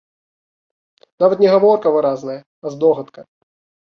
Нават не гаворка выразная, а здогадка.